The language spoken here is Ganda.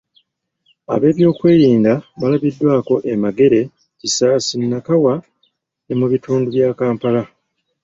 Ab'ebyokwerinda balabiddwako e Magere, Kisaasi, Nakawa ne mu bitundu bya Kampala